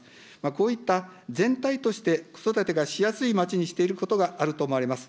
こういった全体として、子育てがしやすい町にしていることがあると思われます。